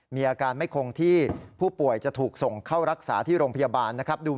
มีอาการไม่คงที่ผู้ป่วยจะถูกส่งเข้ารักษาที่โรงพยาบาลนะครับ